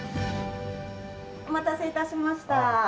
お待たせ致しました。